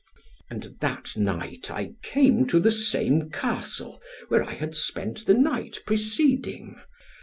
And that night I came to the same Castle, where I had spent the night preceding.